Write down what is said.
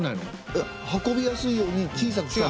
えっ運びやすいように小さくした。